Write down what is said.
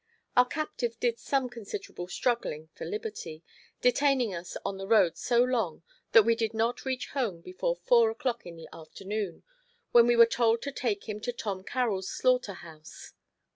Our captive did some considerable struggling for liberty, detaining us on the road so long that we did not reach home before four o'clock in the afternoon, when we were told to take him to Tom Carroll's slaughter house.